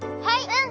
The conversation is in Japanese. うん！